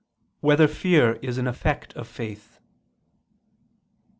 1] Whether Fear Is an Effect of Faith?